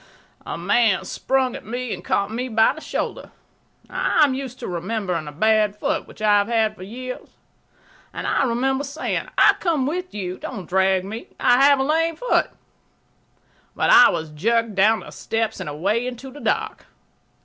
A man sprang at me and caught me by the shoulder. I am used to remembering a bad foot, which I have had for years, and I remember saying, "I'll come with you; don't drag me; I have a lame foot." But I was jerked down the steps and away into the dark.